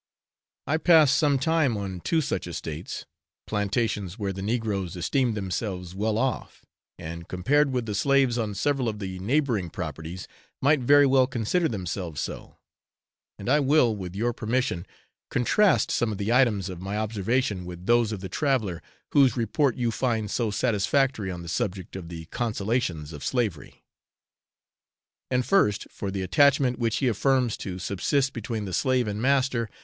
I passed some time on two such estates plantations where the negroes esteemed themselves well off, and, compared with the slaves on several of the neighbouring properties, might very well consider themselves so; and I will, with your permission, contrast some of the items of my observation with those of the traveller whose report you find so satisfactory on the subject of the 'consolations' of slavery. And first, for the attachment which he affirms to subsist between the slave and master.